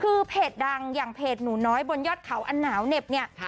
คือเพจดังอย่างเพจหนูน้อยบนยอดเขาอันหนาวเหน็บเนี่ย